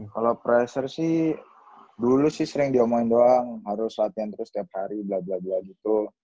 kalau pressure sih dulu sih sering diomongin doang harus latihan terus tiap hari bla bla bla gitu